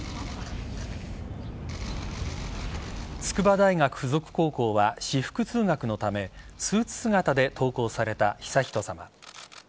筑波大学附属高校は私服通学のためスーツ姿で登校された悠仁さま。